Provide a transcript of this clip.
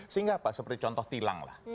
sehingga apa seperti contoh tilang lah